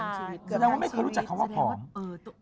แสดงว่าไม่เคยรู้จักคำว่าผอม